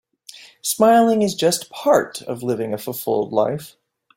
Smiling is just part of living a fulfilled life.